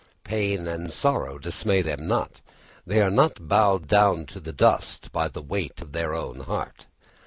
Pain and sorrow dismay them not, they are not bowed down to the dust by the weight of their own heart.